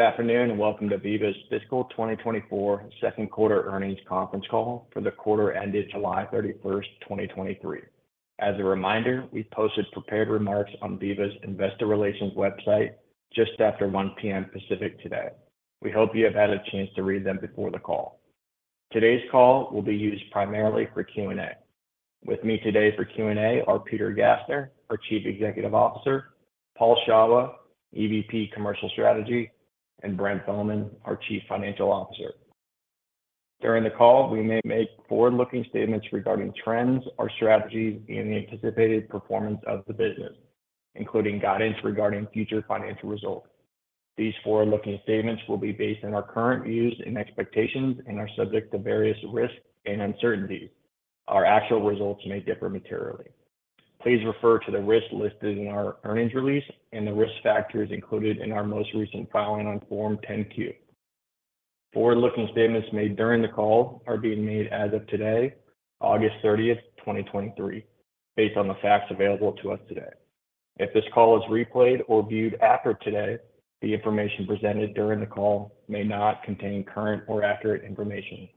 Good afternoon, and welcome to Veeva's Fiscal 2024 Second Quarter Earnings Conference Call for the quarter ended July 31, 2023. As a reminder, we posted prepared remarks on Veeva's Investor Relations website just after 1:00 P.M. Pacific today. We hope you have had a chance to read them before the call. Today's call will be used primarily for Q&A. With me today for Q&A are Peter Gassner, our Chief Executive Officer, Paul Shawah, EVP Commercial Strategy, and Brent Bowman, our Chief Financial Officer. During the call, we may make forward-looking statements regarding trends or strategies and the anticipated performance of the business, including guidance regarding future financial results. These forward-looking statements will be based on our current views and expectations and are subject to various risks and uncertainties. Our actual results may differ materially. Please refer to the risks listed in our earnings release and the risk factors included in our most recent filing on Form 10-Q. Forward-looking statements made during the call are being made as of today, August 30, 2023, based on the facts available to us today. If this call is replayed or viewed after today, the information presented during the call may not contain current or accurate information.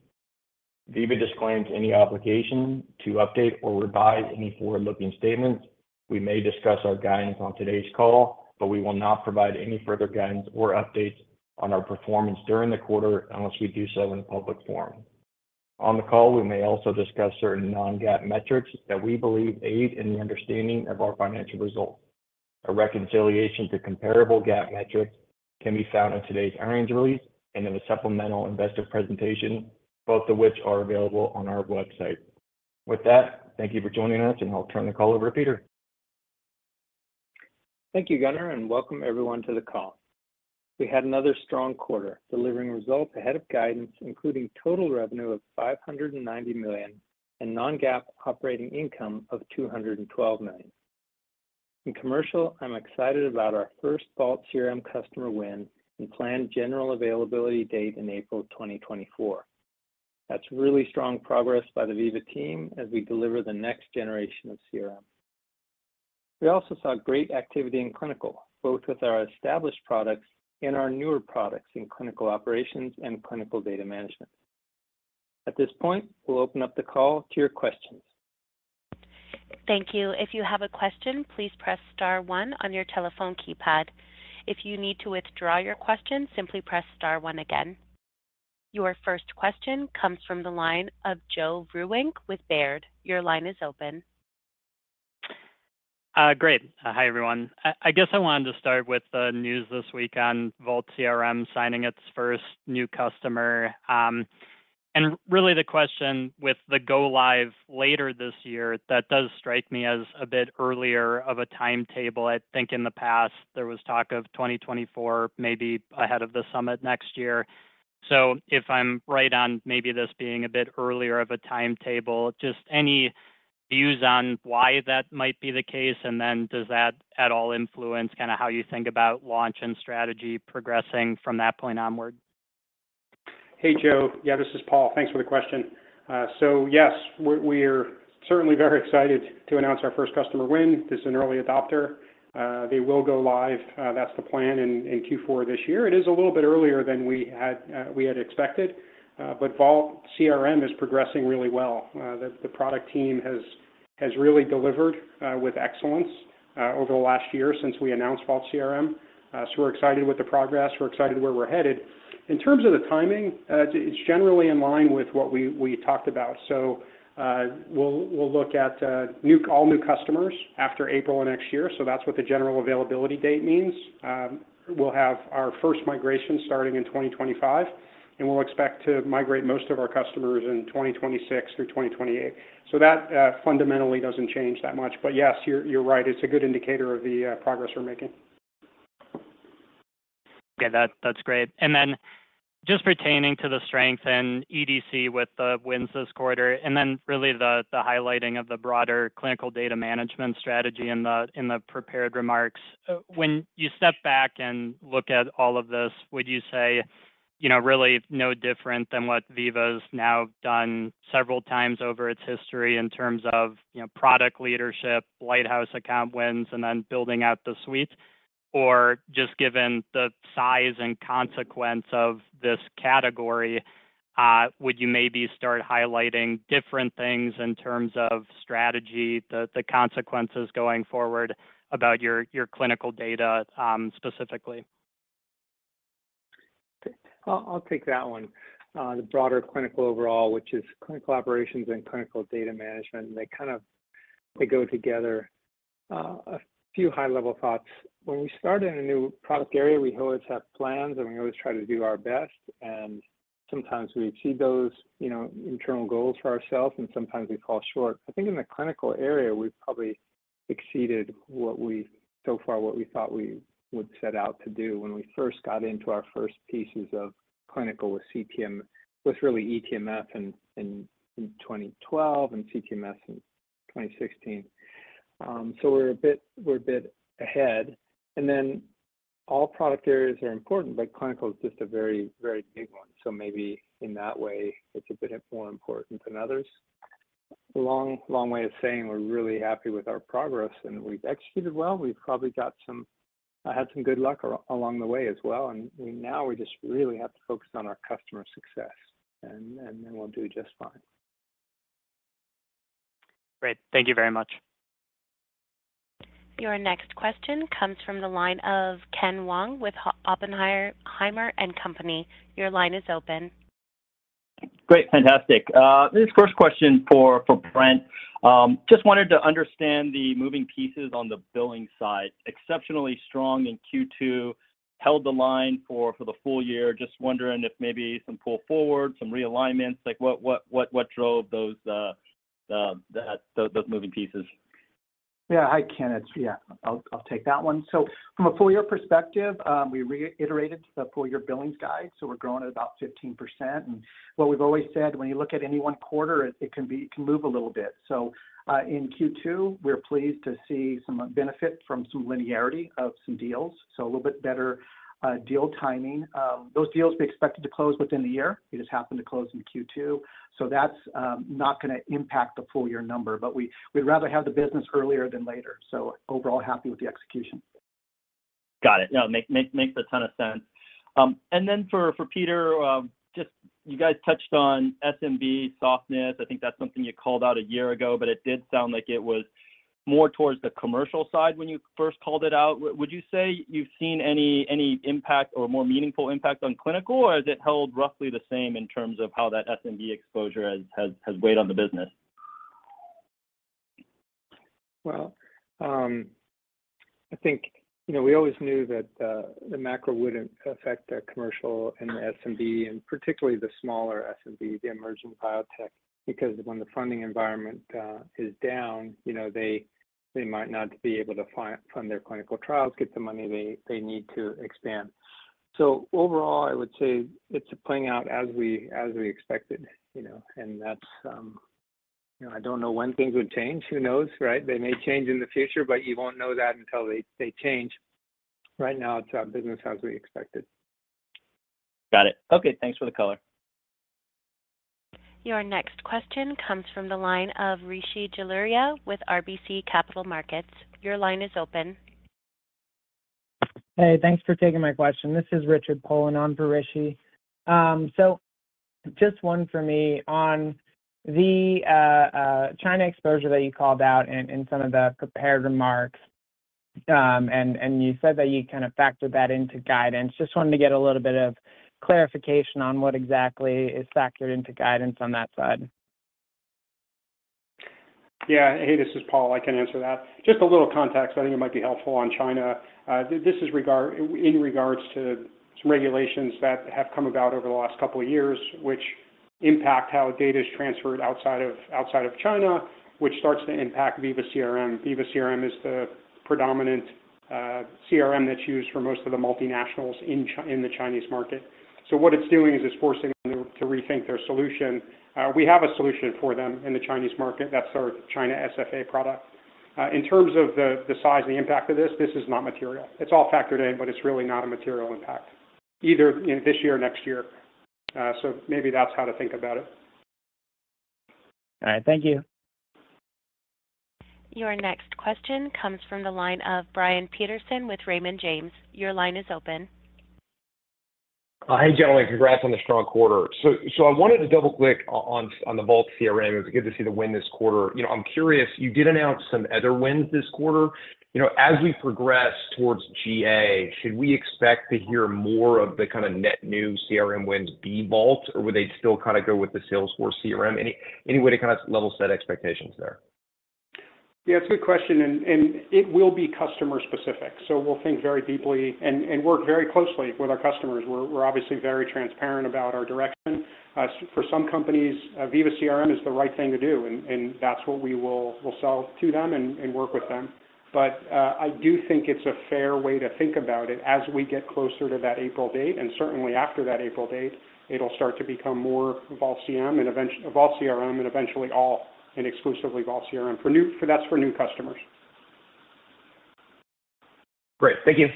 Veeva disclaims any obligation to update or revise any forward-looking statements. We may discuss our guidance on today's call, but we will not provide any further guidance or updates on our performance during the quarter unless we do so in a public forum. On the call, we may also discuss certain non-GAAP metrics that we believe aid in the understanding of our financial results. A reconciliation to comparable GAAP metrics can be found in today's earnings release and in the supplemental investor presentation, both of which are available on our website. With that, thank you for joining us, and I'll turn the call over to Peter. Thank you, Gunnar, and welcome everyone to the call. We had another strong quarter, delivering results ahead of guidance, including total revenue of $590 million and non-GAAP operating income of $212 million. In commercial, I'm excited about our first Vault CRM customer win and planned general availability date in April 2024. That's really strong progress by the Veeva team as we deliver the next generation of CRM. We also saw great activity in clinical, both with our established products and our newer products in clinical operations and clinical data management. At this point, we'll open up the call to your questions. Thank you. If you have a question, please press star one on your telephone keypad. If you need to withdraw your question, simply press star one again. Your first question comes from the line of Joe Vruwink with Baird. Your line is open. Great. Hi, everyone. I guess I wanted to start with the news this week on Vault CRM signing its first new customer. And really the question with the go-live later this year, that does strike me as a bit earlier of a timetable. I think in the past there was talk of 2024, maybe ahead of the summit next year. So if I'm right on maybe this being a bit earlier of a timetable, just any views on why that might be the case, and then does that at all influence kinda how you think about launch and strategy progressing from that point onward? Hey, Joe. Yeah, this is Paul. Thanks for the question. So yes, we're certainly very excited to announce our first customer win. This is an early adopter. They will go live, that's the plan in Q4 this year. It is a little bit earlier than we had expected, but Vault CRM is progressing really well. The product team has really delivered with excellence over the last year since we announced Vault CRM. So we're excited with the progress, we're excited where we're headed. In terms of the timing, it's generally in line with what we talked about. So, we'll look at all new customers after April of next year, so that's what the general availability date means. We'll have our first migration starting in 2025, and we'll expect to migrate most of our customers in 2026 through 2028. So that fundamentally doesn't change that much. But yes, you're right, it's a good indicator of the progress we're making. Okay, that's great. And then just pertaining to the strength in EDC with the wins this quarter, and then really the highlighting of the broader clinical data management strategy in the prepared remarks. When you step back and look at all of this, would you say, you know, really no different than what Veeva's now done several times over its history in terms of, you know, product leadership, lighthouse account wins, and then building out the suites? Or just given the size and consequence of this category, would you maybe start highlighting different things in terms of strategy, the consequences going forward about your clinical data, specifically? I'll take that one. The broader clinical overall, which is clinical operations and clinical data management, and they go together. A few high-level thoughts. When we start in a new product area, we always have plans, and we always try to do our best, and sometimes we exceed those, you know, internal goals for ourselves, and sometimes we fall short. I think in the clinical area, we've probably exceeded what we—so far, what we thought we would set out to do when we first got into our first pieces of clinical with CPM, with really eTMF in 2012 and CTMS in 2016. So we're a bit ahead, and then all product areas are important, but clinical is just a very, very big one. So maybe in that way, it's a bit more important than others... Long, long way of saying we're really happy with our progress, and we've executed well. We've probably had some good luck along the way as well, and we now just really have to focus on our customer success, and then we'll do just fine. Great. Thank you very much. Your next question comes from the line of Ken Wong with Oppenheimer and Company. Your line is open. Great, fantastic. This first question for Brent. Just wanted to understand the moving pieces on the billing side. Exceptionally strong in Q2, held the line for the full year. Just wondering if maybe some pull forward, some realignments, like, what drove those moving pieces? Yeah. Hi, Ken, it's... Yeah, I'll take that one. So from a full year perspective, we reiterated the full year billings guide, so we're growing at about 15%. And what we've always said, when you look at any one quarter, it can move a little bit. So, in Q2, we're pleased to see some benefit from some linearity of some deals, so a little bit better deal timing. Those deals we expected to close within the year. They just happened to close in Q2, so that's not gonna impact the full year number. But we'd rather have the business earlier than later, so overall happy with the execution. Got it. No, makes a ton of sense. And then for Peter, just you guys touched on SMB softness. I think that's something you called out a year ago, but it did sound like it was more towards the commercial side when you first called it out. Would you say you've seen any impact or more meaningful impact on clinical, or has it held roughly the same in terms of how that SMB exposure has weighed on the business? Well, I think, you know, we always knew that, the macro wouldn't affect our commercial and the SMB and particularly the smaller SMB, the emerging biotech. Because when the funding environment is down, you know, they might not be able to fund their clinical trials, get the money they need to expand. So overall, I would say it's playing out as we, as we expected, you know, and that's... You know, I don't know when things would change. Who knows, right? They may change in the future, but you won't know that until they change. Right now, it's business as we expected. Got it. Okay, thanks for the color. Your next question comes from the line of Rishi Jaluria with RBC Capital Markets. Your line is open. Hey, thanks for taking my question. This is Richard Poland on for Rishi. So just one for me. On the China exposure that you called out in some of the prepared remarks, and you said that you kind of factored that into guidance. Just wanted to get a little bit of clarification on what exactly is factored into guidance on that side. Yeah. Hey, this is Paul. I can answer that. Just a little context, I think it might be helpful on China. This is in regards to some regulations that have come about over the last couple of years, which impact how data is transferred outside of China, which starts to impact Veeva CRM. Veeva CRM is the predominant CRM that's used for most of the multinationals in the Chinese market. So what it's doing is it's forcing them to rethink their solution. We have a solution for them in the Chinese market. That's our China SFA product. In terms of the size and the impact of this, this is not material. It's all factored in, but it's really not a material impact, either in this year or next year. So maybe that's how to think about it. All right. Thank you. Your next question comes from the line of Brian Peterson with Raymond James. Your line is open. Hey, gentlemen. Congrats on the strong quarter. So I wanted to double-click on the Vault CRM. It's good to see the win this quarter. You know, I'm curious, you did announce some other wins this quarter. You know, as we progress towards GA, should we expect to hear more of the kind of net new CRM wins be Vault, or would they still kind of go with the Salesforce CRM? Any way to kind of level set expectations there? Yeah, it's a good question, and it will be customer specific. So we'll think very deeply and work very closely with our customers. We're obviously very transparent about our direction. For some companies, Veeva CRM is the right thing to do, and that's what we will sell to them and work with them. But I do think it's a fair way to think about it as we get closer to that April date, and certainly after that April date, it'll start to become more Vault CRM and eventually Vault CRM and eventually all and exclusively Vault CRM. So that's for new customers. Great. Thank you.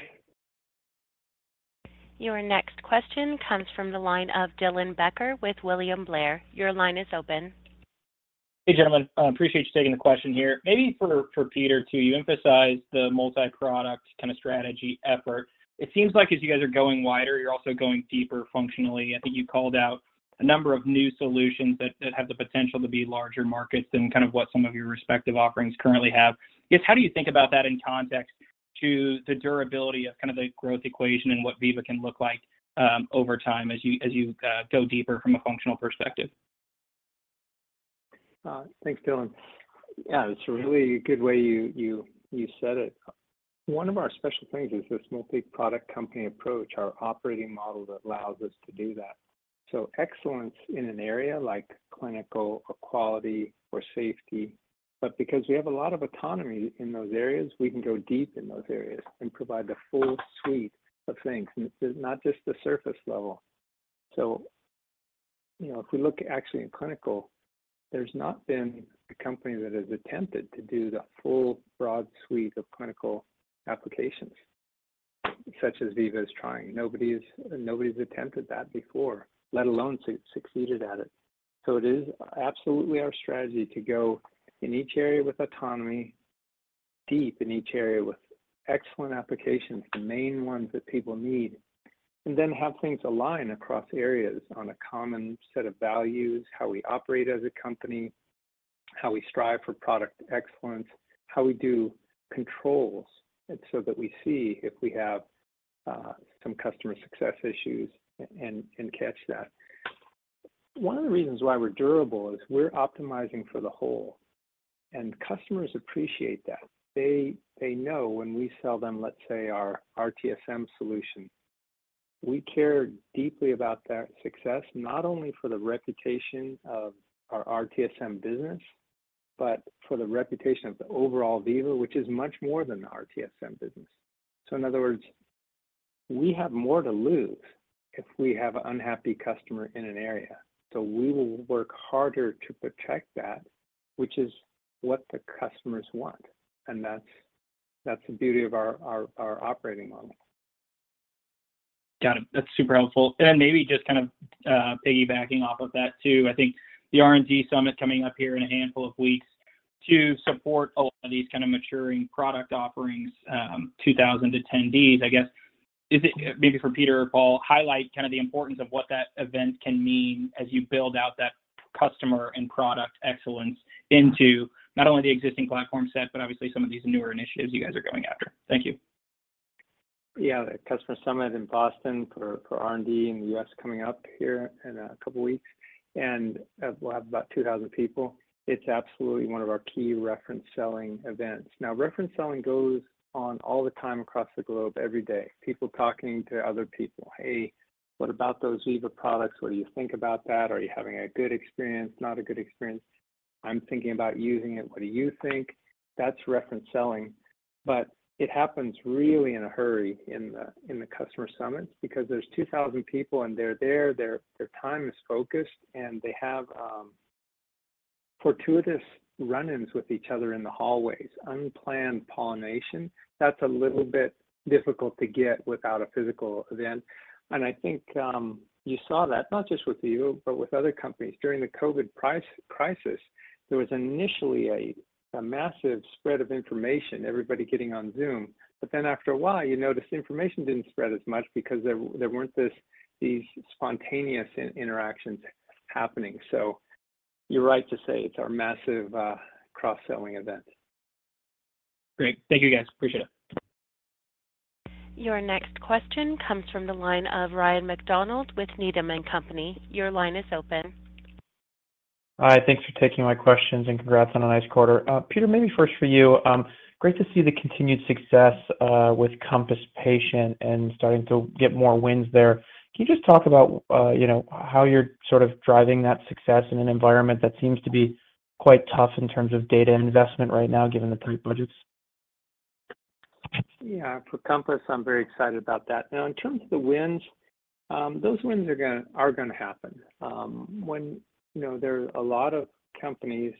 Your next question comes from the line of Dylan Becker with William Blair. Your line is open. Hey, gentlemen, appreciate you taking the question here. Maybe for Peter, too, you emphasized the multi-product kind of strategy effort. It seems like as you guys are going wider, you're also going deeper functionally. I think you called out a number of new solutions that have the potential to be larger markets than kind of what some of your respective offerings currently have. Just how do you think about that in context to the durability of kind of the growth equation and what Veeva can look like, over time as you go deeper from a functional perspective? Thanks, Dylan. Yeah, it's a really good way you said it. One of our special things is this multi-product company approach, our operating model that allows us to do that. So excellence in an area like clinical or quality or safety, but because we have a lot of autonomy in those areas, we can go deep in those areas and provide the full suite of things, and this is not just the surface level. So, you know, if we look actually in clinical, there's not been a company that has attempted to do the full broad suite of clinical applications such as Veeva is trying. Nobody's attempted that before, let alone succeeded at it. So it is absolutely our strategy to go in each area with autonomy, deep in each area with excellent applications, the main ones that people need, and then have things align across areas on a common set of values, how we operate as a company, how we strive for product excellence, how we do controls, and so that we see if we have some customer success issues and catch that. One of the reasons why we're durable is we're optimizing for the whole, and customers appreciate that. They know when we sell them, let's say, our RTSM solution, we care deeply about their success, not only for the reputation of our RTSM business, but for the reputation of the overall Veeva, which is much more than the RTSM business. So in other words, we have more to lose if we have an unhappy customer in an area. So we will work harder to protect that, which is what the customers want, and that's the beauty of our operating model. Got it. That's super helpful. And maybe just kind of, piggybacking off of that too, I think the R&D summit coming up here in a handful of weeks to support a lot of these kind of maturing product offerings, 2,000 attendees, I guess, is it? Maybe for Peter or Paul, highlight kind of the importance of what that event can mean as you build out that customer and product excellence into not only the existing platform set, but obviously some of these newer initiatives you guys are going after. Thank you. Yeah, the customer summit in Boston for R&D in the U.S. coming up here in a couple of weeks, and we'll have about 2,000 people. It's absolutely one of our key reference selling events. Now, reference selling goes on all the time across the globe, every day. People talking to other people, "Hey, what about those Veeva products? What do you think about that? Are you having a good experience, not a good experience? I'm thinking about using it. What do you think?" That's reference selling, but it happens really in a hurry in the customer summit because there's 2,000 people and they're there, their time is focused, and they have fortuitous run-ins with each other in the hallways, unplanned pollination. That's a little bit difficult to get without a physical event. I think you saw that not just with Veeva, but with other companies. During the COVID-19 crisis, there was initially a massive spread of information, everybody getting on Zoom. But then after a while, you noticed the information didn't spread as much because there weren't these spontaneous interactions happening. So you're right to say it's our massive cross-selling event. Great. Thank you, guys. Appreciate it. Your next question comes from the line of Ryan MacDonald with Needham and Company. Your line is open. Hi, thanks for taking my questions, and congrats on a nice quarter. Peter, maybe first for you, great to see the continued success with Compass Patient and starting to get more wins there. Can you just talk about, you know, how you're sort of driving that success in an environment that seems to be quite tough in terms of data investment right now, given the tight budgets? Yeah. For Compass, I'm very excited about that. Now, in terms of the wins, those wins are gonna happen. When, you know, there are a lot of companies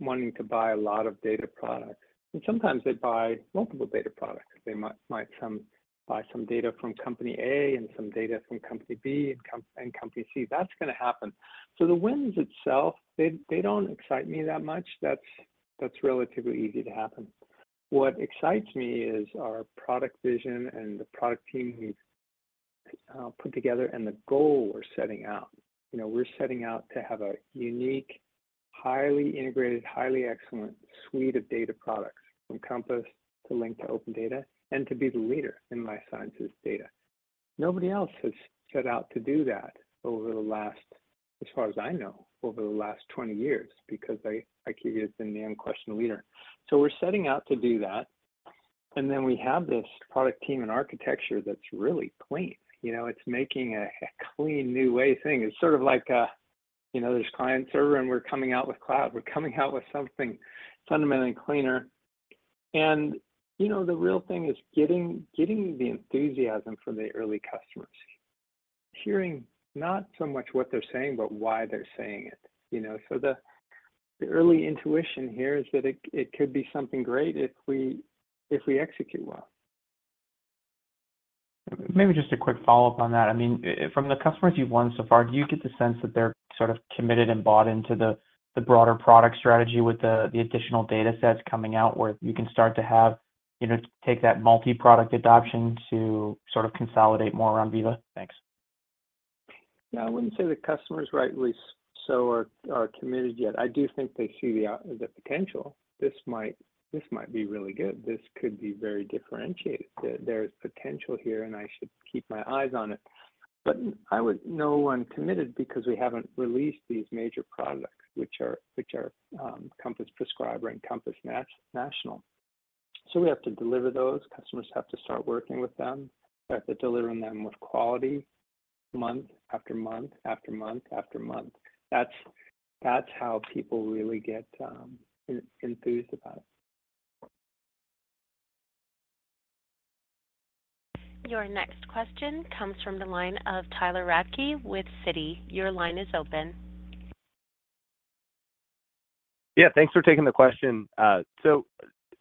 wanting to buy a lot of data products, and sometimes they buy multiple data products. They might buy some data from Company A and some data from Company B and Company C. That's gonna happen. So the wins itself, they don't excite me that much. That's relatively easy to happen. What excites me is our product vision and the product team we've put together and the goal we're setting out. You know, we're setting out to have a unique, highly integrated, highly excellent suite of data products from Compass to Link to OpenData, and to be the leader in life sciences data. Nobody else has set out to do that over the last, as far as I know, over the last 20 years, because I, I give you the damn question leader. So we're setting out to do that, and then we have this product team and architecture that's really clean. You know, it's making a, a clean, new way thing. It's sort of like a, you know, there's client server, and we're coming out with cloud. We're coming out with something fundamentally cleaner. And, you know, the real thing is getting, getting the enthusiasm from the early customers, hearing not so much what they're saying, but why they're saying it, you know? So the, the early intuition here is that it, it could be something great if we, if we execute well. Maybe just a quick follow-up on that. I mean, from the customers you've won so far, do you get the sense that they're sort of committed and bought into the, the broader product strategy with the, the additional data sets coming out, where you can start to have, you know, take that multi-product adoption to sort of consolidate more around Veeva? Thanks. Yeah. I wouldn't say the customers rightly so are committed yet. I do think they see the potential. This might be really good. This could be very differentiated. There's potential here, and I should keep my eyes on it. But I would know I'm committed because we haven't released these major products, which are Compass Prescriber and Compass National. So we have to deliver those. Customers have to start working with them. We have to deliver them with quality month after month after month after month. That's how people really get enthused about it. Your next question comes from the line of Tyler Radke with Citi. Your line is open.... Yeah, thanks for taking the question. So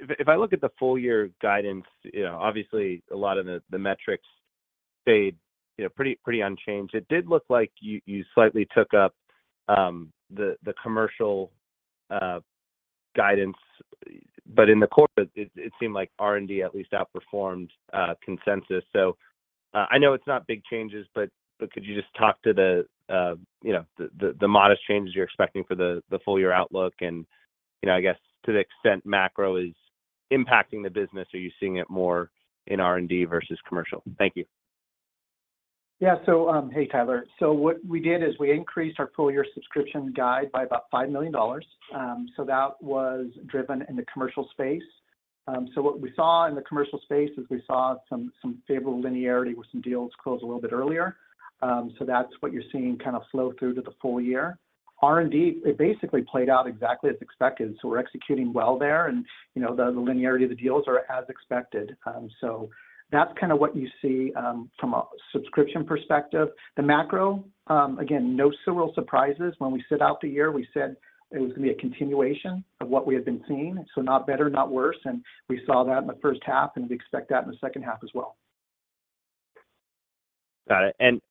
if I look at the full year guidance, you know, obviously a lot of the metrics stayed, you know, pretty unchanged. It did look like you slightly took up the commercial guidance, but in the quarter, it seemed like R&D at least outperformed consensus. So I know it's not big changes, but could you just talk to the, you know, the modest changes you're expecting for the full year outlook? And, you know, I guess to the extent macro is impacting the business, are you seeing it more in R&D versus commercial? Thank you. Yeah. So, hey, Tyler. So what we did is we increased our full year subscription guide by about $5 million. So that was driven in the commercial space. So what we saw in the commercial space is we saw some, some favorable linearity with some deals close a little bit earlier. So that's what you're seeing kind of flow through to the full year. R&D, it basically played out exactly as expected, so we're executing well there. And, you know, the, the linearity of the deals are as expected. So that's kind of what you see, from a subscription perspective. The macro, again, no real surprises. When we set out the year, we said it was going to be a continuation of what we had been seeing, so not better, not worse, and we saw that in the first half, and we expect that in the second half as well. Got it.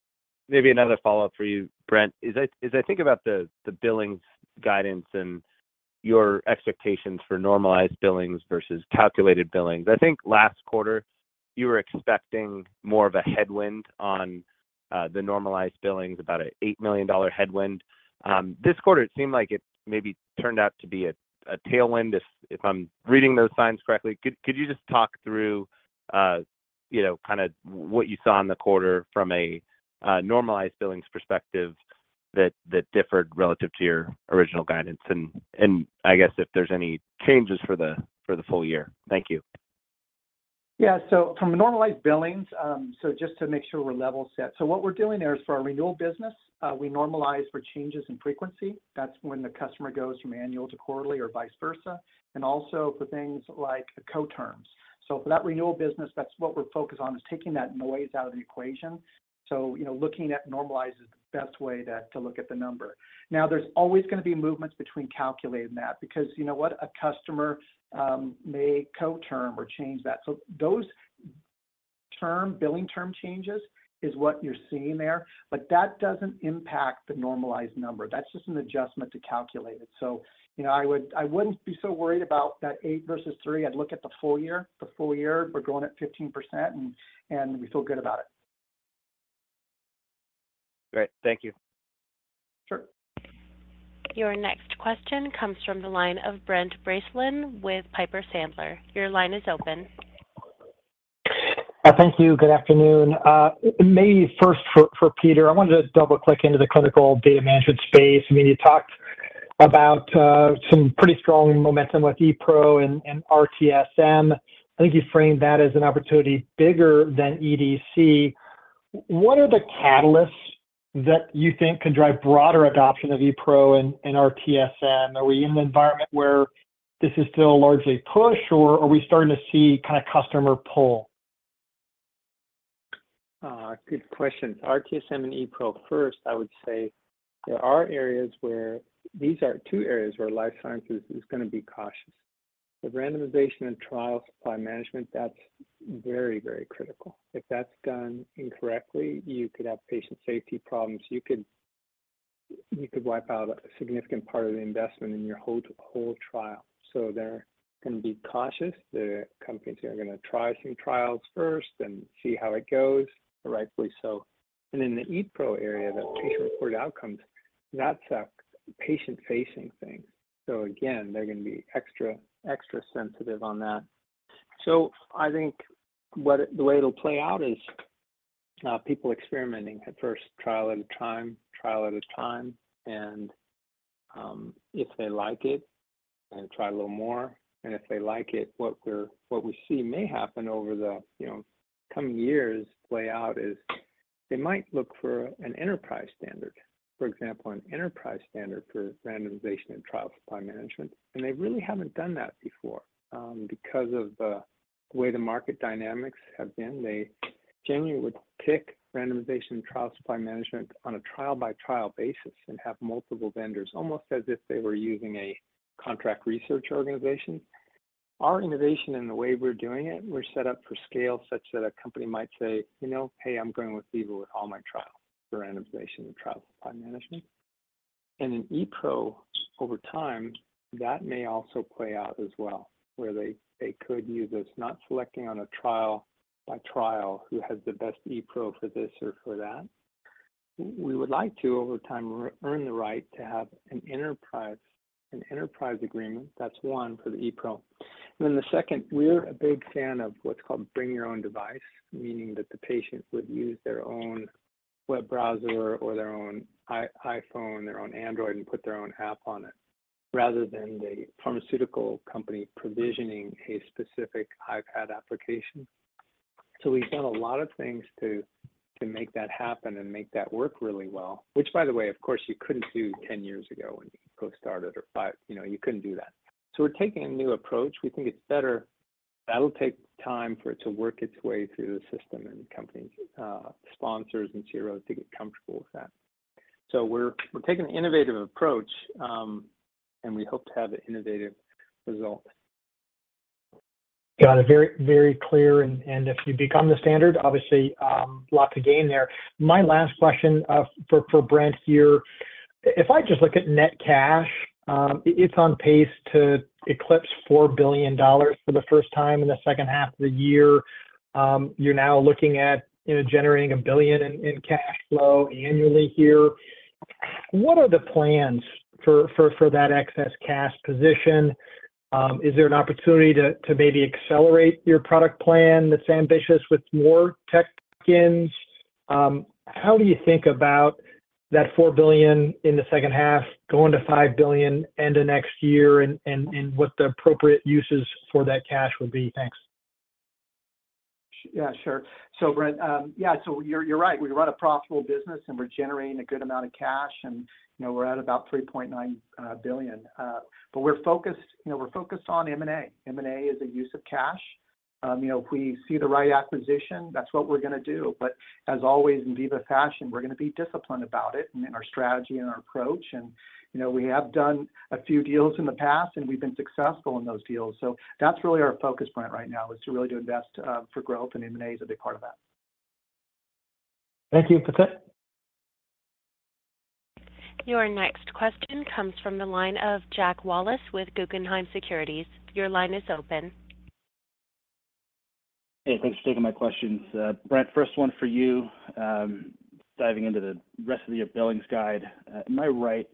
And maybe another follow-up for you, Brent. As I, as I think about the, the billings guidance and your expectations for normalized billings versus calculated billings, I think last quarter you were expecting more of a headwind on the normalized billings, about an $8 million headwind. This quarter, it seemed like it maybe turned out to be a tailwind, if, if I'm reading those signs correctly. Could, could you just talk through, you know, kind of what you saw in the quarter from a normalized billings perspective that, that differed relative to your original guidance, and, and I guess if there's any changes for the, for the full year? Thank you. Yeah. So from a normalized billings, so just to make sure we're level set. So what we're doing there is for our renewal business, we normalize for changes in frequency. That's when the customer goes from annual to quarterly or vice versa, and also for things like co-terms. So for that renewal business, that's what we're focused on, is taking that noise out of the equation. So, you know, looking at normalized is the best way to, to look at the number. Now, there's always going to be movements between calculating that because you know what? A customer may co-term or change that. So those billing term changes is what you're seeing there, but that doesn't impact the normalized number. That's just an adjustment to calculate it. So, you know, I would-I wouldn't be so worried about that eight versus three. I'd look at the full year. The full year, we're growing at 15%, and we feel good about it. Great. Thank you. Sure. Your next question comes from the line of Brent Bracelin with Piper Sandler. Your line is open. Thank you. Good afternoon. Maybe first for, for Peter, I wanted to double-click into the clinical data management space. I mean, you talked about some pretty strong momentum with ePRO and RTSM. I think you framed that as an opportunity bigger than EDC. What are the catalysts that you think could drive broader adoption of ePRO and RTSM? Are we in an environment where this is still largely push, or are we starting to see kind of customer pull? Good question. RTSM and ePRO, first, I would say there are areas where these are two areas where life sciences is going to be cautious. The randomization and trial supply management, that's very, very critical. If that's done incorrectly, you could have patient safety problems. You could wipe out a significant part of the investment in your whole trial. So they're going to be cautious. The companies are going to try some trials first and see how it goes, rightfully so. And in the ePRO area, the patient-reported outcomes, that's a patient-facing thing. So again, they're going to be extra, extra sensitive on that. So I think what it, the way it'll play out is, people experimenting at first, trial at a time, trial at a time, and if they like it, then try a little more. If they like it, what we see may happen over the, you know, coming years play out is they might look for an enterprise standard. For example, an enterprise standard for randomization and trial supply management, and they really haven't done that before. Because of the way the market dynamics have been, they generally would pick randomization and trial supply management on a trial-by-trial basis and have multiple vendors, almost as if they were using a contract research organization. Our innovation and the way we're doing it, we're set up for scale such that a company might say, "You know, hey, I'm going with Veeva with all my trials for randomization and trial supply management." And in ePRO, over time, that may also play out as well, where they could use us, not selecting on a trial by trial, who has the best ePRO for this or for that. We would like to, over time, earn the right to have an enterprise, an enterprise agreement. That's one for the ePRO. And then the second, we're a big fan of what's called "bring your own device," meaning that the patients would use their own web browser or their own iPhone, their own Android, and put their own app on it, rather than the pharmaceutical company provisioning a specific iPad application. So we've done a lot of things to make that happen and make that work really well, which, by the way, of course, you couldn't do 10 years ago when you got started or five. You know, you couldn't do that. So we're taking a new approach. We think it's better-... That'll take time for it to work its way through the system and companies, sponsors and CROs to get comfortable with that. So we're taking an innovative approach, and we hope to have an innovative result. Got it. Very, very clear, and if you become the standard, obviously, lot to gain there. My last question, for Brent here, if I just look at net cash, it's on pace to eclipse $4 billion for the first time in the second half of the year. You're now looking at, you know, generating $1 billion in cash flow annually here. What are the plans for that excess cash position? Is there an opportunity to maybe accelerate your product plan that's ambitious with more tech spends? How do you think about that $4 billion in the second half going to $5 billion end of next year, and what the appropriate uses for that cash would be? Thanks. Yeah, sure. So Brent, yeah, so you're, you're right. We run a profitable business, and we're generating a good amount of cash, and, you know, we're at about $3.9 billion. But we're focused, you know, we're focused on M&A. M&A is a use of cash. You know, if we see the right acquisition, that's what we're gonna do. But as always, in Veeva fashion, we're gonna be disciplined about it and in our strategy and our approach. And, you know, we have done a few deals in the past, and we've been successful in those deals. So that's really our focus, Brent, right now, is to really to invest, for growth, and M&A is a big part of that. Thank you. Peter. Your next question comes from the line of Jack Wallace with Guggenheim Securities. Your line is open. Hey, thanks for taking my questions. Brent, first one for you. Diving into the rest of the year billings guide, am I right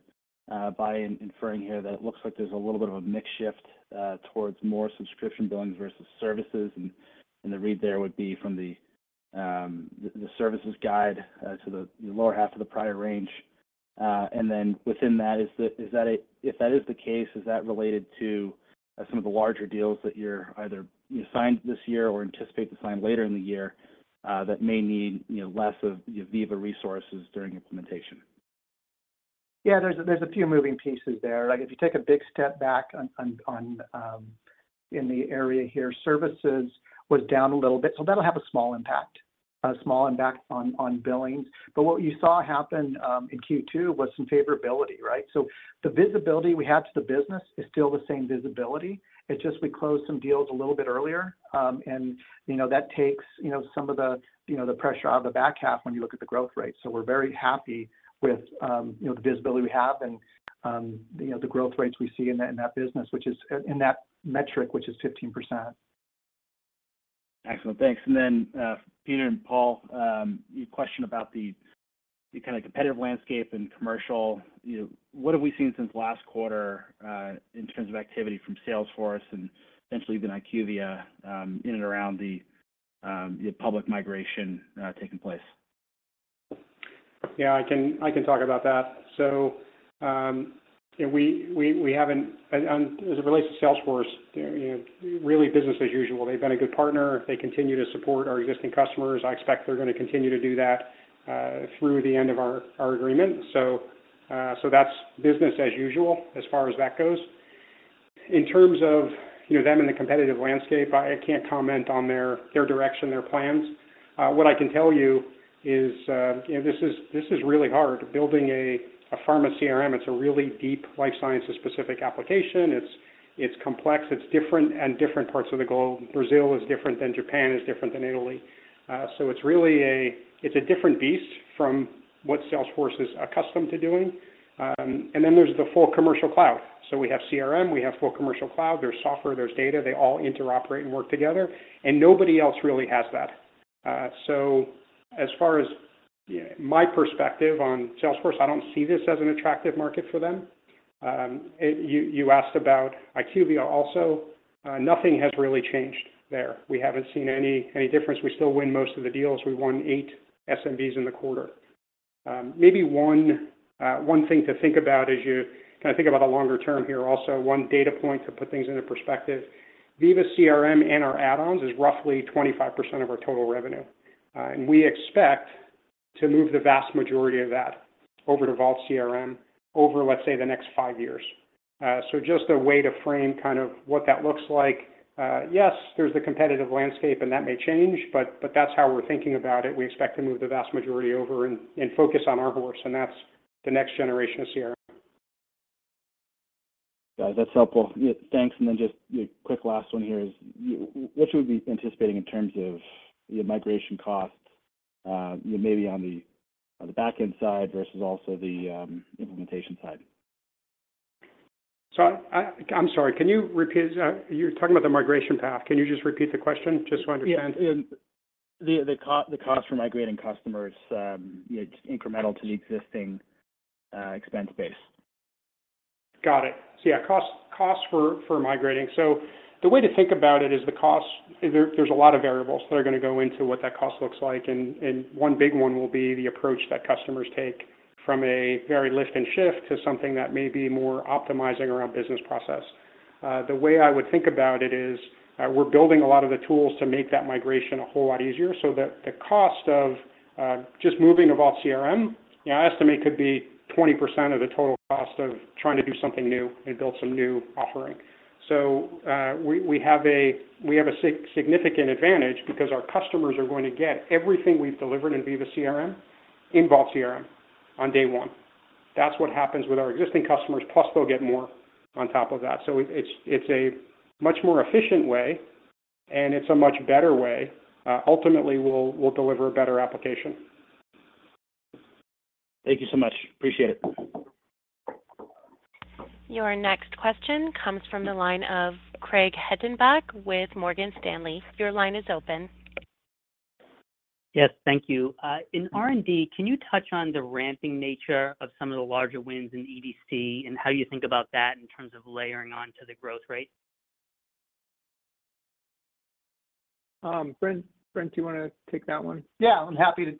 by inferring here that it looks like there's a little bit of a mix shift towards more subscription billings versus services? And the read there would be from the services guide to the lower half of the prior range. And then within that, is that, if that is the case, related to some of the larger deals that you either signed this year or anticipate to sign later in the year that may need, you know, less of your Veeva resources during implementation? Yeah, there's a few moving pieces there. Like, if you take a big step back in the area here, services was down a little bit, so that'll have a small impact, a small impact on billings. But what you saw happen in Q2 was some favorability, right? So the visibility we have to the business is still the same visibility. It's just we closed some deals a little bit earlier, and, you know, that takes, you know, some of the, you know, the pressure off the back half when you look at the growth rate. So we're very happy with, you know, the visibility we have and, you know, the growth rates we see in that, in that business, which is... In that metric, which is 15%. Excellent. Thanks. And then, Peter and Paul, your question about the kind of competitive landscape and commercial. You know, what have we seen since last quarter, in terms of activity from Salesforce and potentially even IQVIA, in and around the public migration, taking place? Yeah, I can talk about that. So, you know, we haven't, and as it relates to Salesforce, you know, really business as usual. They've been a good partner. They continue to support our existing customers. I expect they're gonna continue to do that through the end of our agreement. So that's business as usual as far as that goes. In terms of, you know, them and the competitive landscape, I can't comment on their direction, their plans. What I can tell you is, you know, this is really hard, building a pharma CRM. It's a really deep life sciences-specific application. It's complex, it's different, and different parts of the globe. Brazil is different than Japan, is different than Italy. So it's really a different beast from what Salesforce is accustomed to doing. And then there's the full commercial cloud. So we have CRM, we have full commercial cloud, there's software, there's data. They all interoperate and work together, and nobody else really has that. So as far as my perspective on Salesforce, I don't see this as an attractive market for them. And you asked about IQVIA also. Nothing has really changed there. We haven't seen any, any difference. We still win most of the deals. We won 8 SMBs in the quarter. Maybe one thing to think about as you kind of think about the longer term here, also one data point to put things into perspective, Veeva CRM and our add-ons is roughly 25% of our total revenue. And we expect to move the vast majority of that over to Vault CRM over, let's say, the next five years. So just a way to frame kind of what that looks like. Yes, there's the competitive landscape, and that may change, but, but that's how we're thinking about it. We expect to move the vast majority over and, and focus on our horse, and that's the next generation of CRM. Got it. That's helpful. Yeah, thanks, and then just a quick last one here is: what should we be anticipating in terms of your migration costs, you know, maybe on the, on the back-end side versus also the, implementation side? So I'm sorry, can you repeat it? You're talking about the migration path. Can you just repeat the question, just so I understand? Yeah. The cost for migrating customers, you know, incremental to the existing expense base. Got it. So yeah, costs for migrating. So the way to think about it is the cost... There's a lot of variables that are gonna go into what that cost looks like, and one big one will be the approach that customers take from a very lift and shift to something that may be more optimizing around business process.... the way I would think about it is, we're building a lot of the tools to make that migration a whole lot easier, so that the cost of just moving of Vault CRM, yeah, I estimate could be 20% of the total cost of trying to do something new and build some new offering. So, we have a significant advantage because our customers are going to get everything we've delivered in Veeva CRM in Vault CRM on day one. That's what happens with our existing customers, plus they'll get more on top of that. So it, it's a much more efficient way, and it's a much better way. Ultimately, we'll deliver a better application. Thank you so much. Appreciate it. Your next question comes from the line of Craig Hettenbach with Morgan Stanley. Your line is open. Yes, thank you. In R&D, can you touch on the ramping nature of some of the larger wins in EDC and how you think about that in terms of layering on to the growth rate? Brent, Brent, do you wanna take that one? Yeah, I'm happy to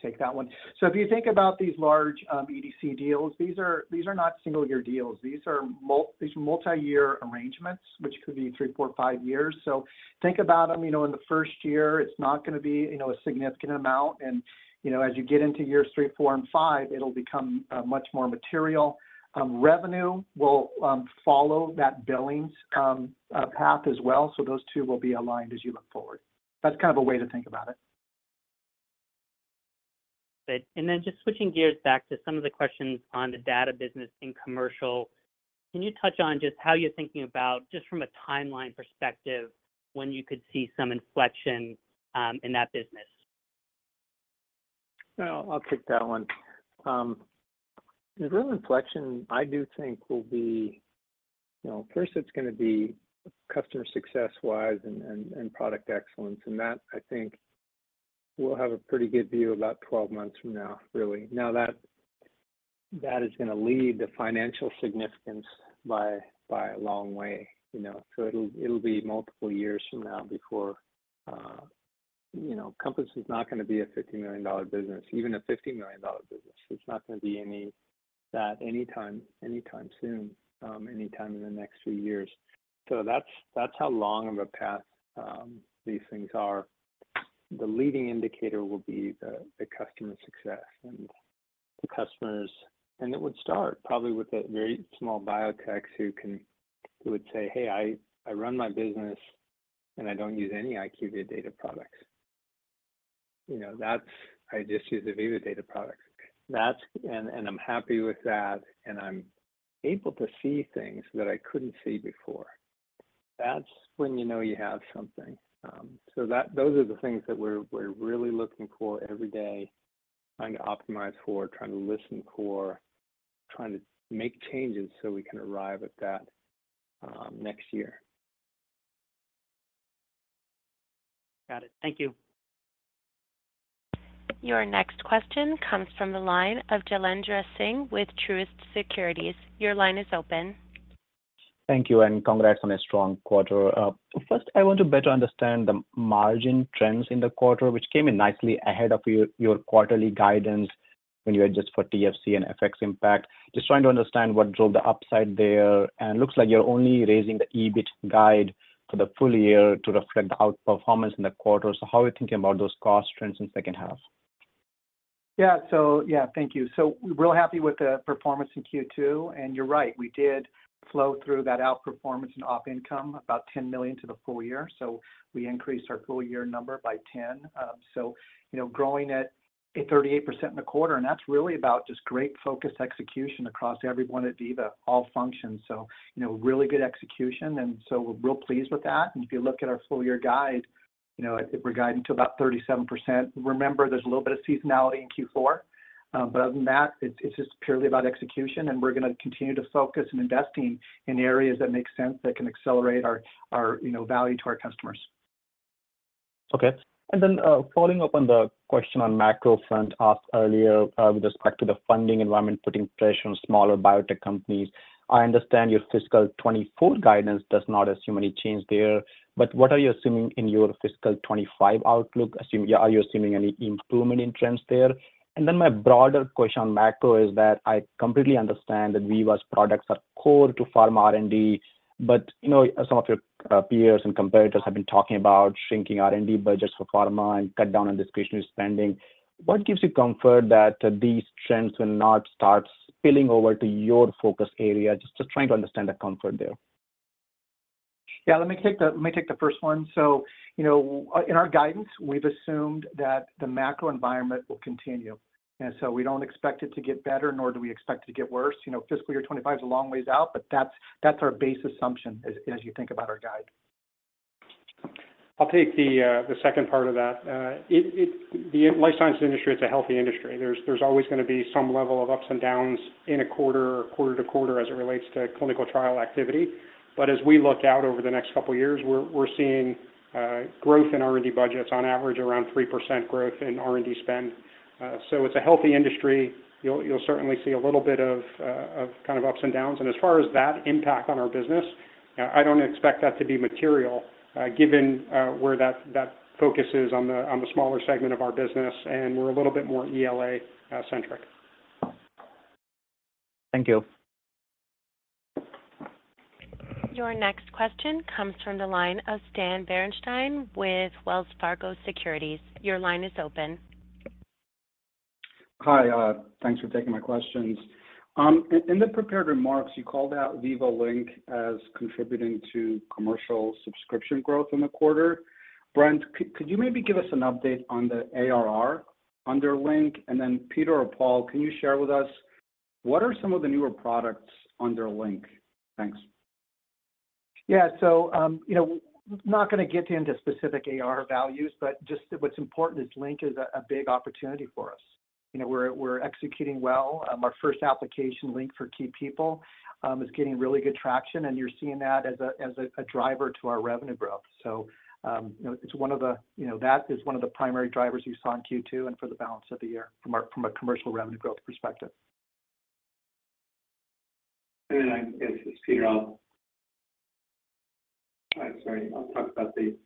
take that one. So if you think about these large EDC deals, these are not single-year deals. These are multiyear arrangements, which could be three, four, five years. So think about them, you know, in the first year, it's not gonna be, you know, a significant amount. And, you know, as you get into years three, four, and five, it'll become much more material. Revenue will follow that billings path as well, so those two will be aligned as you look forward. That's kind of a way to think about it. Good. And then just switching gears back to some of the questions on the data business and commercial, can you touch on just how you're thinking about, just from a timeline perspective, when you could see some inflection in that business? Well, I'll take that one. The real inflection, I do think will be... You know, first it's gonna be customer success-wise and, and, and product excellence, and that, I think we'll have a pretty good view about 12 months from now, really. Now, that, that is gonna lead the financial significance by, by a long way, you know, so it'll, it'll be multiple years from now before... You know, Compass is not gonna be a $50 million business. Even a $50 million business, it's not gonna be any, that anytime, anytime soon, anytime in the next 3 years. So that's, that's how long of a path, these things are. The leading indicator will be the, the customer success and the customers. And it would start probably with the very small biotechs who would say, "Hey, I run my business, and I don't use any IQVIA data products. You know, that's, I just use the Veeva data products. That's, and I'm happy with that, and I'm able to see things that I couldn't see before." That's when you know you have something. So those are the things that we're really looking for every day, trying to optimize for, trying to listen for, trying to make changes so we can arrive at that, next year. Got it. Thank you. Your next question comes from the line of Jailendra Singh with Truist Securities. Your line is open. Thank you, and congrats on a strong quarter. First, I want to better understand the margin trends in the quarter, which came in nicely ahead of your, your quarterly guidance when you adjust for TFC and FX impact. Just trying to understand what drove the upside there. It looks like you're only raising the EBIT guide for the full year to reflect the outperformance in the quarter. How are you thinking about those cost trends in second half? Yeah. So yeah, thank you. So we're real happy with the performance in Q2, and you're right, we did flow through that outperformance and op income, about $10 million to the full year. So we increased our full year number by $10 million. So, you know, growing at a 38% in the quarter, and that's really about just great focused execution across everyone at Veeva, all functions. So you know, really good execution, and so we're real pleased with that. And if you look at our full year guide, you know, I think we're guiding to about 37%. Remember, there's a little bit of seasonality in Q4, but other than that, it's, it's just purely about execution, and we're gonna continue to focus on investing in areas that make sense, that can accelerate our, our, you know, value to our customers. Okay. Then, following up on the question on macro front, asked earlier, with respect to the funding environment putting pressure on smaller biotech companies, I understand your fiscal 2024 guidance does not assume any change there, but what are you assuming in your fiscal 2025 outlook? Are you assuming any improvement in trends there? And then my broader question on macro is that I completely understand that Veeva's products are core to pharma R&D, but, you know, some of your peers and competitors have been talking about shrinking R&D budgets for pharma and cut down on discretionary spending. What gives you comfort that these trends will not start spilling over to your focus area? Just trying to understand the comfort there. Yeah, let me take the first one. So, you know, in our guidance, we've assumed that the macro environment will continue, and so we don't expect it to get better, nor do we expect it to get worse. You know, fiscal year 2025 is a long ways out, but that's, that's our base assumption as, as you think about our guide. I'll take the second part of that. It, the life sciences industry, it's a healthy industry. There's always gonna be some level of ups and downs in a quarter, quarter to quarter, as it relates to clinical trial activity. But as we look out over the next couple of years, we're seeing growth in R&D budgets on average, around 3% growth in R&D spend. So it's a healthy industry. You'll certainly see a little bit of kind of ups and downs. And as far as that impact on our business... I don't expect that to be material, given where that focus is on the smaller segment of our business, and we're a little bit more ELA centric. Thank you. Your next question comes from the line of Stan Berenshteyn with Wells Fargo Securities. Your line is open. Hi, thanks for taking my questions. In the prepared remarks, you called out Veeva Link as contributing to commercial subscription growth in the quarter. Brent, could you maybe give us an update on the ARR on their Link? And then, Peter or Paul, can you share with us what are some of the newer products under Link? Thanks. Yeah. So, you know, not gonna get into specific AR values, but just what's important is Link is a big opportunity for us. You know, we're executing well. Our first application Link for key people is getting really good traction, and you're seeing that as a driver to our revenue growth. So, you know, it's one of the—you know, that is one of the primary drivers you saw in Q2 and for the balance of the year from a commercial revenue growth perspective. I'm sorry, I'll talk about the...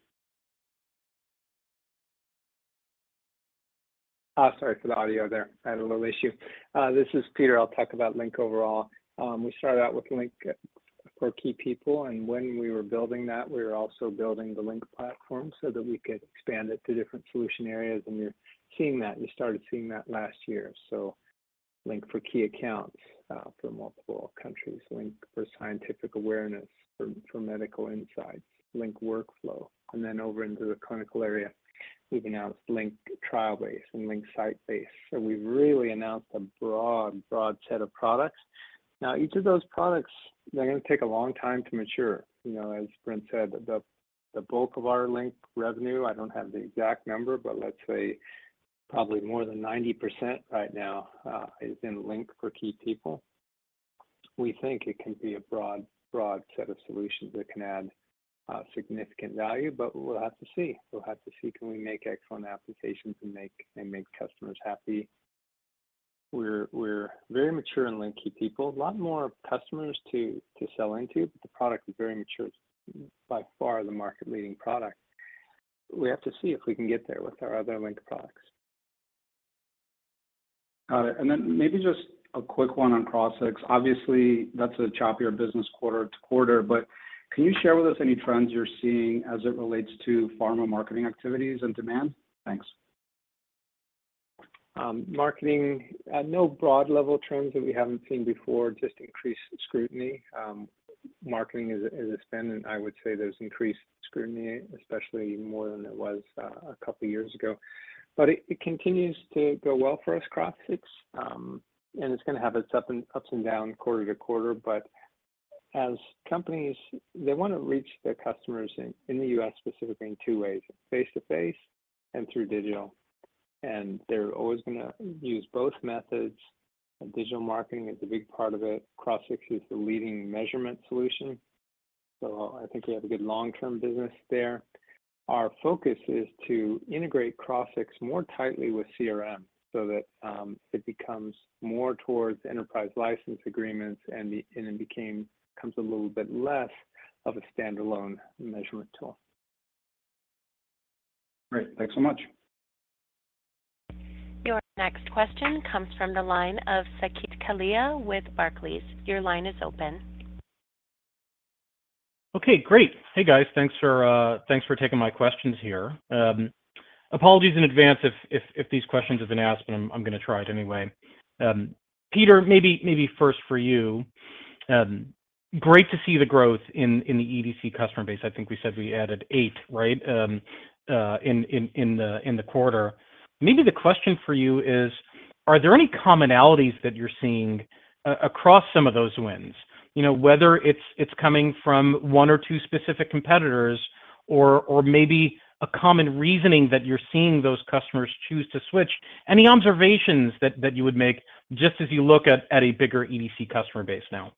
Sorry for the audio there. I had a little issue. This is Peter. I'll talk about Link overall. We started out with Link for Key People, and when we were building that, we were also building the Link platform so that we could expand it to different solution areas, and you're seeing that. You started seeing that last year. So Link for Key Accounts for multiple countries, Link for Scientific Awareness for medical insights, Link Workflow. And then over into the clinical area, we've announced Link TrialBase and Link SiteBase. So we've really announced a broad, broad set of products. Now, each of those products, they're gonna take a long time to mature. You know, as Brent said, the bulk of our Link revenue, I don't have the exact number, but let's say probably more than 90% right now, is in Link for Key People. We think it can be a broad, broad set of solutions that can add significant value, but we'll have to see. We'll have to see, can we make excellent applications and make, and make customers happy? We're very mature in Link for Key People. A lot more customers to sell into, but the product is very mature, by far the market-leading product. We have to see if we can get there with our other Link products. Got it. And then maybe just a quick one on Crossix. Obviously, that's a choppier business quarter to quarter, but can you share with us any trends you're seeing as it relates to pharma marketing activities and demand? Thanks. Marketing, no broad level trends that we haven't seen before, just increased scrutiny. Marketing is a spend, and I would say there's increased scrutiny, especially more than there was a couple of years ago. But it continues to go well for us, Crossix. And it's gonna have its ups and downs, quarter to quarter. But as companies, they wanna reach their customers in the U.S., specifically in two ways: face-to-face and through digital. And they're always gonna use both methods, and digital marketing is a big part of it. Crossix is the leading measurement solution, so I think we have a good long-term business there. Our focus is to integrate Crossix more tightly with CRM so that it becomes more towards enterprise license agreements, and it becomes a little bit less of a standalone measurement tool. Great. Thanks so much. Your next question comes from the line of Saket Kalia with Barclays. Your line is open. Okay, great. Hey, guys. Thanks for taking my questions here. Apologies in advance if these questions have been asked, but I'm gonna try it anyway. Peter, maybe first for you. Great to see the growth in the EDC customer base. I think we said we added 8, right, in the quarter. Maybe the question for you is, are there any commonalities that you're seeing across some of those wins? You know, whether it's coming from one or two specific competitors or maybe a common reasoning that you're seeing those customers choose to switch. Any observations that you would make just as you look at a bigger EDC customer base now?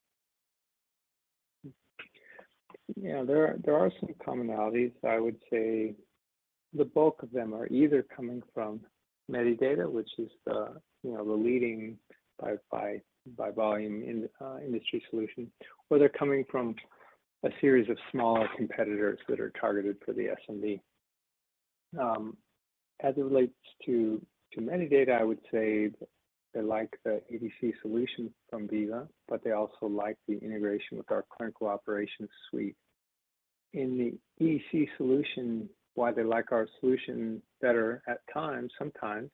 Yeah, there are some commonalities. I would say the bulk of them are either coming from Medidata, which is the, you know, the leading by volume in industry solution, or they're coming from a series of smaller competitors that are targeted for the SMB. As it relates to Medidata, I would say they like the EDC solution from Veeva, but they also like the integration with our clinical operations suite. In the EDC solution, why they like our solution better at times, sometimes,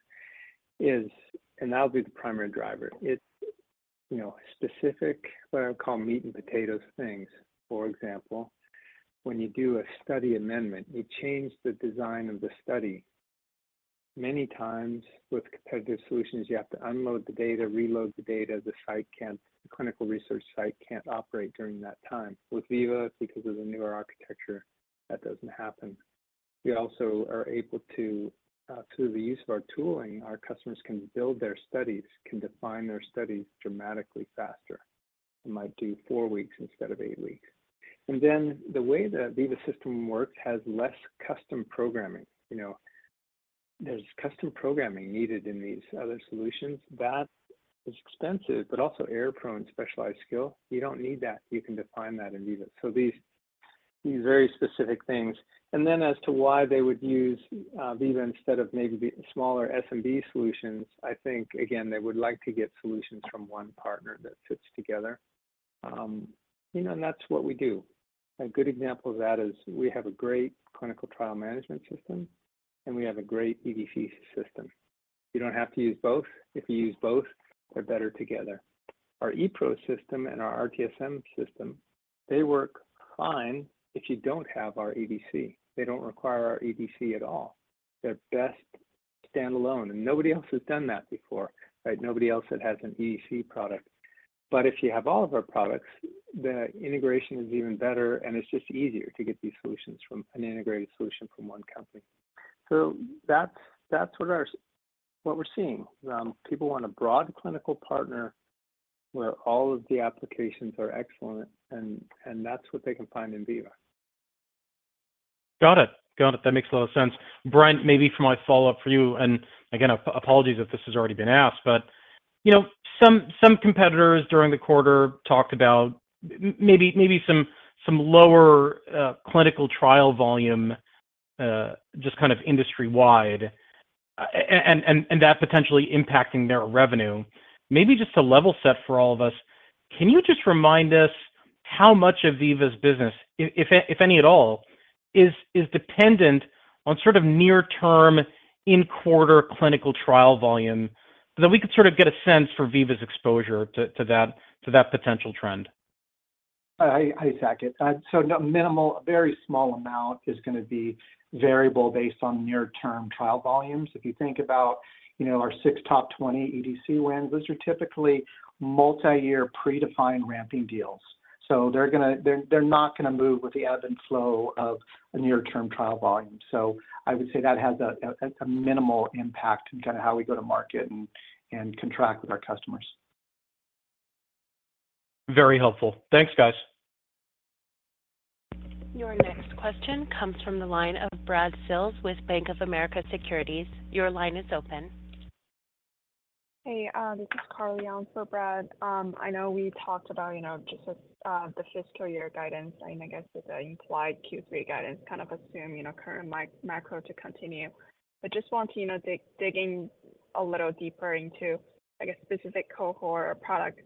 is, and that'll be the primary driver, it's, you know, specific, what I call meat and potatoes things. For example, when you do a study amendment, you change the design of the study. Many times with competitive solutions, you have to unload the data, reload the data. The site can't, the clinical research site can't operate during that time. With Veeva, because of the newer architecture, that doesn't happen. We also are able to through the use of our tooling, our customers can build their studies, can define their studies dramatically faster. It might do four weeks instead of eight weeks. And then the way the Veeva system works has less custom programming. You know. There's custom programming needed in these other solutions. That is expensive, but also error-prone, specialized skill. You don't need that. You can define that in Veeva. So these, these very specific things. And then as to why they would use Veeva instead of maybe the smaller SMB solutions, I think, again, they would like to get solutions from one partner that fits together. You know, and that's what we do. A good example of that is we have a great clinical trial management system, and we have a great EDC system. You don't have to use both. If you use both, they're better together. Our ePRO system and our RTSM system, they work fine if you don't have our EDC. They don't require our EDC at all. They're best standalone, and nobody else has done that before, right? Nobody else that has an EDC product. But if you have all of our products, the integration is even better, and it's just easier to get these solutions from—an integrated solution from one company. So that's, that's what we're seeing. People want a broad clinical partner where all of the applications are excellent, and that's what they can find in Veeva. Got it. Got it. That makes a lot of sense. Brent, maybe for my follow-up for you, and again, apologies if this has already been asked, but, you know, some competitors during the quarter talked about maybe some lower clinical trial volume, just kind of industry-wide, and that potentially impacting their revenue. Maybe just to level set for all of us, can you just remind us how much of Veeva's business, if any at all, is dependent on sort of near-term, in-quarter clinical trial volume? So that we could sort of get a sense for Veeva's exposure to that potential trend. I take it. So minimal, a very small amount is gonna be variable based on near-term trial volumes. If you think about, you know, our six top 20 EDC wins, those are typically multi-year, predefined ramping deals. So they're gonna—they're not gonna move with the ebb and flow of a near-term trial volume. So I would say that has a minimal impact in terms of how we go to market and contract with our customers. Very helpful. Thanks, guys. Your next question comes from the line of Brad Sills with Bank of America Securities. Your line is open. Hey, this is Karly on for Brad. I know we talked about, you know, just, the fiscal year guidance, and I guess with the implied Q3 guidance, kind of assume, you know, current macro to continue. But just want to, you know, dig a little deeper into, I guess, specific cohort or product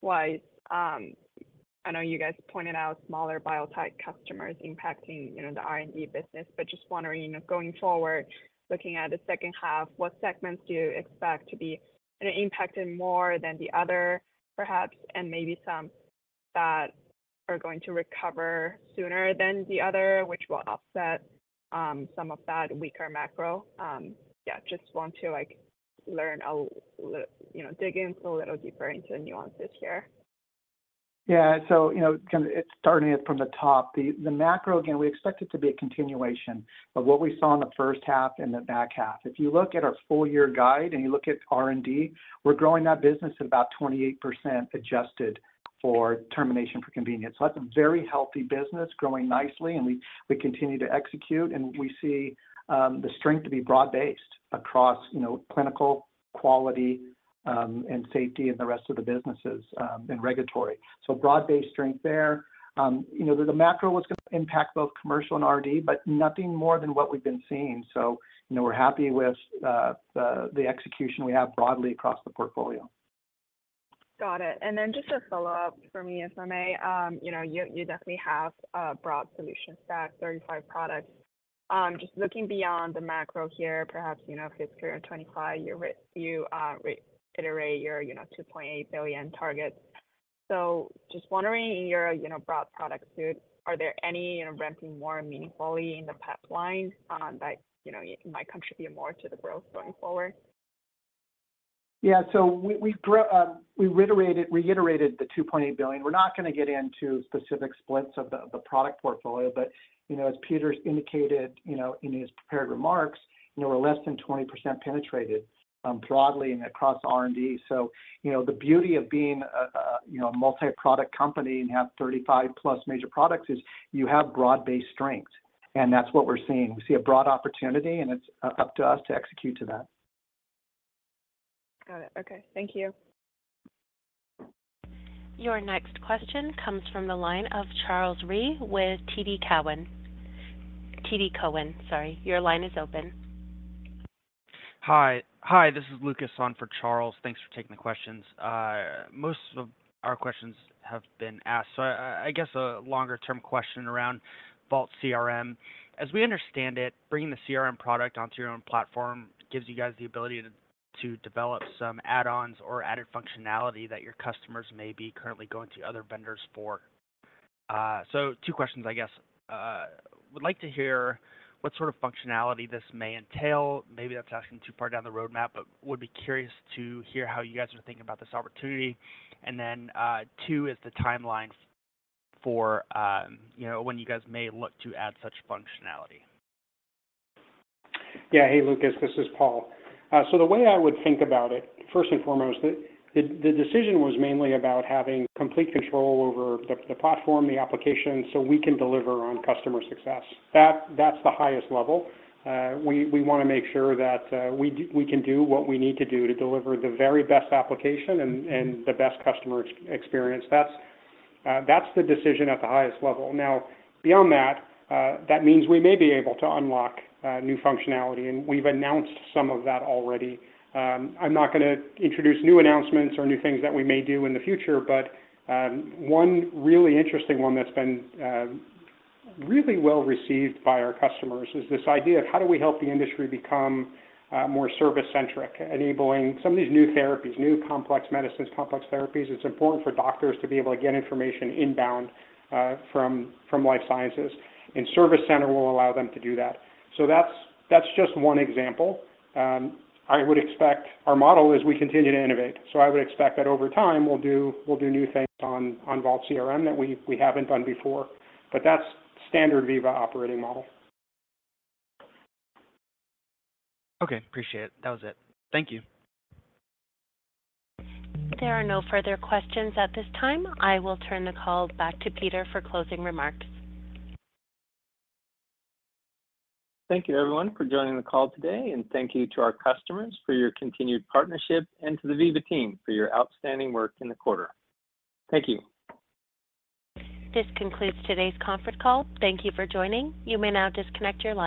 wise. I know you guys pointed out smaller biotech customers impacting, you know, the R&D business, but just wondering, going forward, looking at the second half, what segments do you expect to be, you know, impacted more than the other, perhaps, and maybe some that are going to recover sooner than the other, which will offset some of that weaker macro? Yeah, just want to, like, learn a little, you know, dig in a little deeper into the nuances here. Yeah. So, you know, kind of starting it from the top, the macro, again, we expect it to be a continuation of what we saw in the first half and the back half. If you look at our full-year guide and you look at R&D, we're growing that business at about 28%, adjusted for termination for convenience. So that's a very healthy business, growing nicely, and we continue to execute, and we see the strength to be broad-based across, you know, clinical, quality, and safety and the rest of the businesses, and regulatory. So broad-based strength there. You know, the macro is gonna impact both commercial and R&D, but nothing more than what we've been seeing. So, you know, we're happy with the execution we have broadly across the portfolio. Got it. And then just a follow-up for me, if I may. You know, you, you definitely have a broad solution stack, 35 products. Just looking beyond the macro here, perhaps, you know, fiscal year 2025, you reiterate your, you know, $2.8 billion target. So just wondering, in your, you know, broad product suite, are there any, you know, ramping more meaningfully in the pipeline, that, you know, might contribute more to the growth going forward? Yeah, so we grow, we reiterated the $2.8 billion. We're not gonna get into specific splits of the product portfolio, but, you know, as Peter's indicated, you know, in his prepared remarks, you know, we're less than 20% penetrated, broadly and across R&D. So, you know, the beauty of being a, you know, a multi-product company and have 35+ major products is you have broad-based strengths, and that's what we're seeing. We see a broad opportunity, and it's up to us to execute to that. Got it. Okay. Thank you. Your next question comes from the line of Charles Rhee with TD Cowen. TD Cowen, sorry. Your line is open. Hi. Hi, this is Lucas on for Charles. Thanks for taking the questions. Most of our questions have been asked, so I guess a longer-term question around Vault CRM. As we understand it, bringing the CRM product onto your own platform gives you guys the ability to develop some add-ons or added functionality that your customers may be currently going to other vendors for. So two questions, I guess. Would like to hear what sort of functionality this may entail. Maybe that's asking too far down the roadmap, but would be curious to hear how you guys are thinking about this opportunity. And then, two is the timeline for, you know, when you guys may look to add such functionality. Yeah. Hey, Lucas, this is Paul. So the way I would think about it, first and foremost, the decision was mainly about having complete control over the platform, the application, so we can deliver on customer success. That's the highest level. We wanna make sure that we can do what we need to do to deliver the very best application and the best customer experience. That's the decision at the highest level. Now, beyond that, that means we may be able to unlock new functionality, and we've announced some of that already. I'm not gonna introduce new announcements or new things that we may do in the future, but one really interesting one that's been really well received by our customers is this idea of how do we help the industry become more service-centric, enabling some of these new therapies, new complex medicines, complex therapies. It's important for doctors to be able to get information inbound from life sciences, and Service Center will allow them to do that. So that's just one example. I would expect our model as we continue to innovate. So I would expect that over time, we'll do new things on Vault CRM that we haven't done before, but that's standard Veeva operating model. Okay, appreciate it. That was it. Thank you. There are no further questions at this time. I will turn the call back to Peter for closing remarks. Thank you, everyone, for joining the call today, and thank you to our customers for your continued partnership and to the Veeva team for your outstanding work in the quarter. Thank you. This concludes today's conference call. Thank you for joining. You may now disconnect your line.